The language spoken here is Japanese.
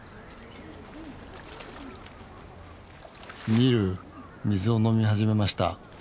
ニル水を飲み始めました。